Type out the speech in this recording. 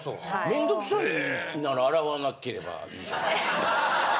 めんどくさいなら洗わなければいいじゃない。